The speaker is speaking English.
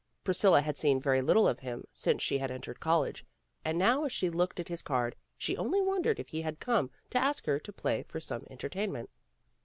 Priscilla had seen very little of him since she had entered college, and now as she looked at his card she only wondered if he had come to ask her to play for some entertainment.